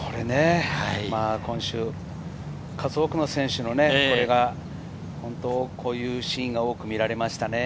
今週、数多くの選手のこれが、こういうシーンが多く見られましたね。